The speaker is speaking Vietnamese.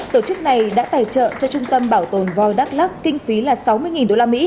tổ chức này đã tài trợ cho trung tâm bảo tồn voi đắk lắc kinh phí là sáu mươi usd